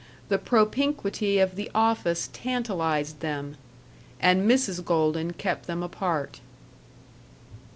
The propinquity of the office tantalized them. And Mrs. Golden kept them apart.